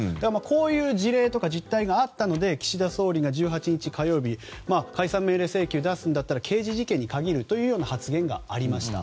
こういう事例があったので岸田総理が１８日、火曜日に解散命令請求を出せるんだったら刑事事件に限るという発言がありました。